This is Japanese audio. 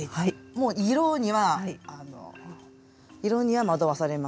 もう色にはあの色には惑わされません。